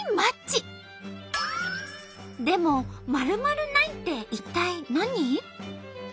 でも〇〇ないって一体何？